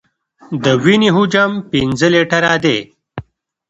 د وینې حجم پنځه لیټره دی.